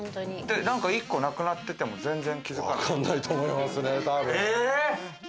１個なくなってても全然気づわかんないと思いますね。